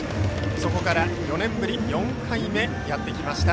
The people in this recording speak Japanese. そこから４年ぶり４回目やってきました